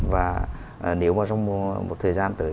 và nếu mà trong một thời gian tới